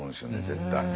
絶対。